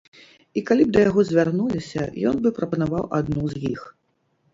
І калі б да яго звярнуліся, ён бы прапанаваў адну з іх.